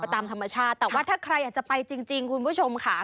ตามธรรมชาติแต่ว่าถ้าใครอยากจะไปจริงคุณผู้ชมค่ะ